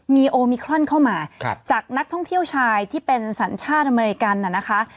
มีโอมิครอนเข้ามาจากนักท่องเที่ยวชายที่เป็นสัญชาติอเมริกันน่ะนะคะ